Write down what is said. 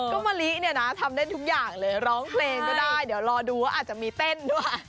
ก็มะลิเนี่ยนะทำได้ทุกอย่างเลยร้องเพลงก็ได้เดี๋ยวรอดูว่าอาจจะมีเต้นด้วย